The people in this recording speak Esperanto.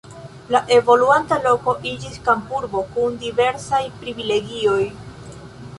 La evoluanta loko iĝis kampurbo kun diversaj privilegioj.